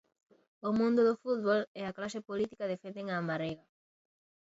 O mundo do fútbol e a clase política defenden a Marega.